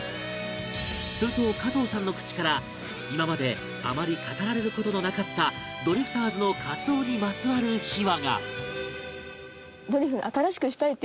すると加藤さんの口から今まであまり語られる事のなかったドリフターズの活動にまつわる秘話が